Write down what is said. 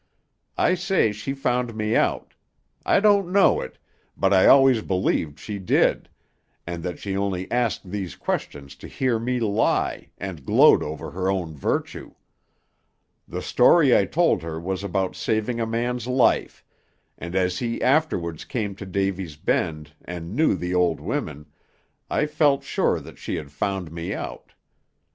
I say she found me out; I don't know it, but I always believed she did, and that she only asked these questions to hear me lie, and gloat over her own virtue. The story I told her was about saving a man's life, and as he afterwards came to Davy's Bend, and knew the old womern, I felt sure that she had found me out.